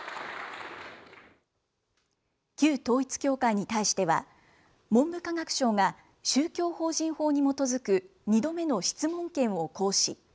旧統一教会に対しては、文部科学省が宗教法人法に基づく２度目の質問権を行使。